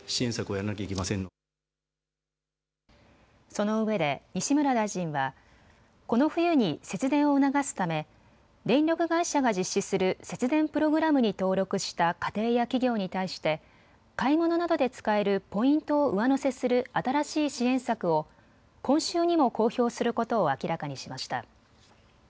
そのうえで西村大臣はこの冬に節電を促すため電力会社が実施する節電プログラムに登録した家庭や企業に対して買い物などで使えるポイントを上乗せする新しい支援策を今週にも公表することを明らかにしました。